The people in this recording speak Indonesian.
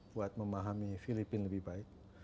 buat memahami filipina lebih baik